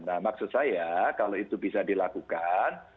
nah maksud saya kalau itu bisa dilakukan